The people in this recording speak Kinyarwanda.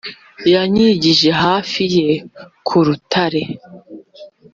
Yanyigije hafi ye ku Rutare,